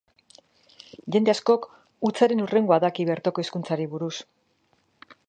Jende askok hutsaren hurrengoa daki bertoko hizkuntzari buruz.